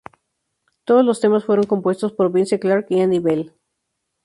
Todos los temas fueron compuestos por Vince Clarke y Andy Bell.